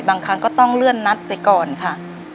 บางครั้งก็ต้องเลื่อนนัดไปก่อนค่ะ